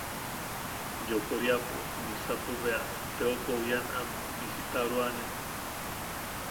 Yokoriapo misapo bea, teopou ian am bisitaroane.